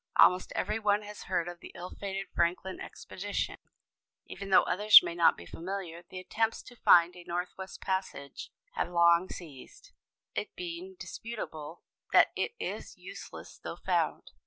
Almost every one has heard of the ill fated Franklin expedition, even though others may not be familiar. The attempts to find a northwest passage have long ceased, it being indisputable that it is useless though found.